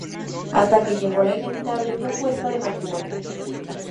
Hasta que llegó la inevitable propuesta de matrimonio.